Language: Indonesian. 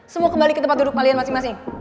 semua kembali ke tempat duduk kalian masing masing